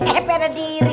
eh pada diri